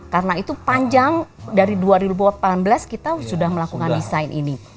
karena itu panjang dari dua ribu delapan belas kita sudah melakukan desain ini